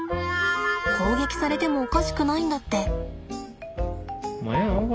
攻撃されてもおかしくないんだって。